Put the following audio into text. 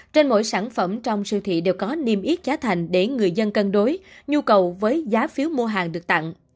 trên mỗi sản phẩm trong siêu thị đều có niêm yết giá thành để người dân cân đối nhu cầu với giá phiếu mua hàng được tặng